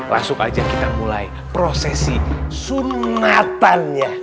langsung aja kita mulai prosesi sunatannya